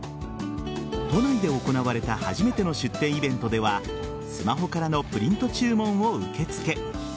都内で行われた初めての出店イベントではスマホからのプリント注文を受け付け。